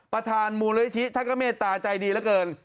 ประธานมูลนิธิท่านก็เมตตาใจดีเหลือเกิน